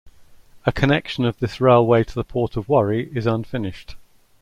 A connection of this railway to the port of Warri is unfinished.